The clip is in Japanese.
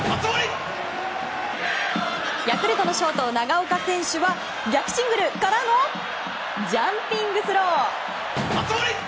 ヤクルトのショート、長岡選手は逆シングルからのジャンピングスロー！